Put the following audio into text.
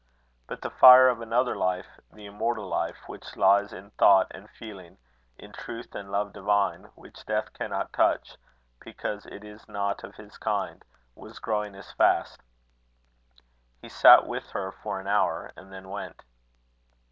But the fire of another life, the immortal life, which lies in thought and feeling, in truth and love divine, which death cannot touch, because it is not of his kind, was growing as fast. He sat with her for an hour, and then went.